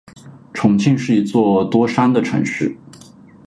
重庆是一座多山的城市。